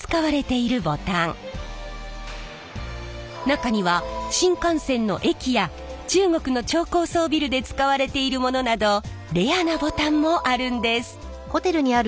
中には新幹線の駅や中国の超高層ビルで使われているものなどレアなボタンもあるんです。